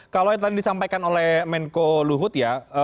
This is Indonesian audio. kalau yang tadi disampaikan oleh menko luhut ya